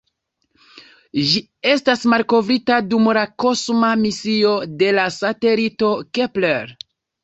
Ĝi estis malkovrita dum la kosma misio de la satelito Kepler.